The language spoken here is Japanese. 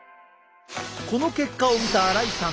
この結果を見た荒井さん。